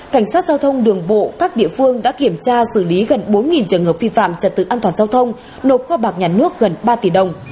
cảnh sát giao thông đường bộ các địa phương đã kiểm tra xử lý gần bốn trường hợp vi phạm trật tự an toàn giao thông nộp kho bạc nhà nước gần ba tỷ đồng